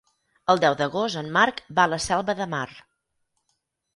El deu d'agost en Marc va a la Selva de Mar.